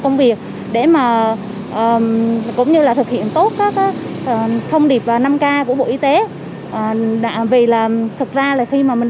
công việc để mà cũng như là thực hiện tốt thông điệp năm k của bộ y tế vì là thực ra là khi mà mình